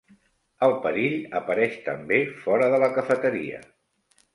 El perill apareix també fora de la cafeteria.